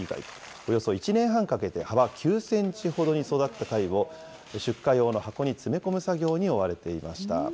およそ１年半かけて幅９センチほどに育った貝を、出荷用の箱に詰め込む作業に追われていました。